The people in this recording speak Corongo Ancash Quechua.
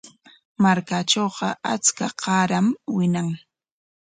Markaatrawqa achka qaaram wiñan.